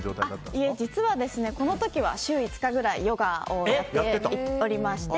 いえ、実はこの時は週５日ぐらいヨガをやっておりまして。